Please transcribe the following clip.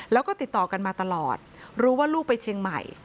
แล้วก็ติดต่อกันมาตลอดรู้ว่าลูกไปเชียงใหม่